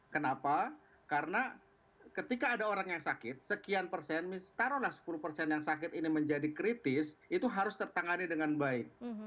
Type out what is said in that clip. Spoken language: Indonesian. kenapa karena ketika ada orang yang sakit sekian persen taruhlah sepuluh persen yang sakit ini menjadi kritis itu harus tertangani dengan baik